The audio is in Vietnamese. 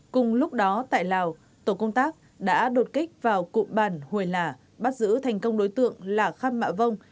cùng lúc đó tại lào tổ công tác đã đột kích vào cụm bàn huỳnh là bắt giữ thành công đối tượng là khăn mạ vông